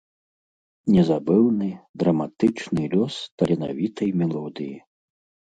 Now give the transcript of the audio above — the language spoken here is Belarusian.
Незабыўны, драматычны лёс таленавітай мелодыі.